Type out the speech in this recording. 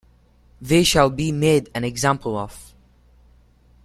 They shall be made an example of.